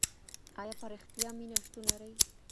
آیا په رښتیا مینه شتون لري؟